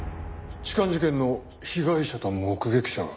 痴漢事件の被害者と目撃者が。